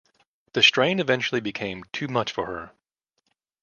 The strain eventually became too much for her.